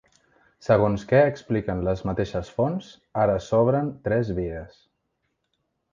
Segons que expliquen les mateixes fonts, ara s’obren tres vies.